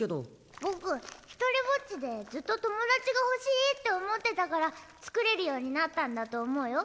僕一人ぼっちでずっと友達が欲しいって思ってたから作れるようになったんだと思うよ。